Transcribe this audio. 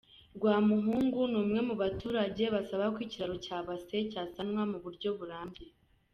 Rwamuhungu ni umwe mu baturage basaba ko ikiraro cya Basera cyasanwa mu buryo burambye.